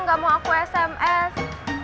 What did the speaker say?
nggak mau aku sms